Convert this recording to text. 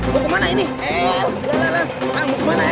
kan kan kan mau kemana ini